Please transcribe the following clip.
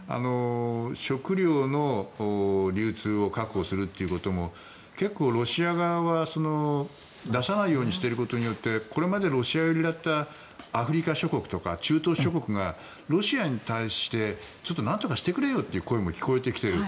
食糧の流通を確保するということも結構、ロシア側は出さないようにしていることでこれまでロシア寄りだったアフリカ諸国とか中東諸国がロシアに対してなんとかしてくれよという声も聞こえてきている。